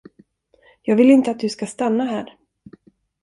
Jag vill inte att du ska stanna här.